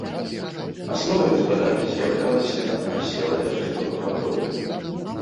Асновай гаспадаркі з'яўлялася аселая жывёлагадоўля.